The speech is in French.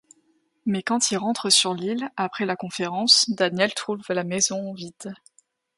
Mais quand il rentre sur l’île après la conférence, Daniel trouve la maison vide.